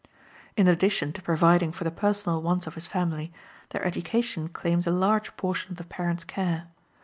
In addition to providing for the personal wants of his family, their education claims a large portion of the parents' care.